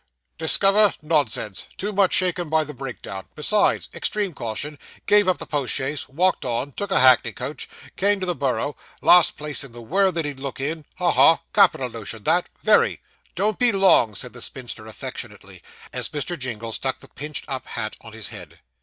'Discover nonsense too much shaken by the break down besides extreme caution gave up the post chaise walked on took a hackney coach came to the Borough last place in the world that he'd look in ha! ha! capital notion that very.' 'Don't be long,' said the spinster affectionately, as Mr. Jingle stuck the pinched up hat on his head.